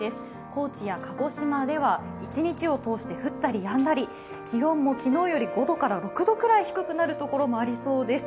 高知や鹿児島では一日を通して降ったりやんだり気温も昨日より５度から６度くらい低くなる所がありそうです。